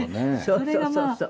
そうそうそうそう。